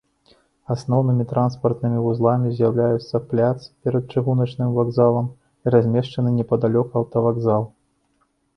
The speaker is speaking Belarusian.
Асноўнымі транспартнымі вузламі з'яўляюцца пляц перад чыгуначным вакзалам і размешчаны непадалёк аўтавакзал.